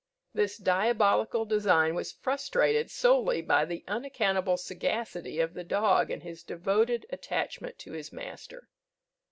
This diabolical design was frustrated solely by the unaccountable sagacity of the dog and his devoted attachment to his master.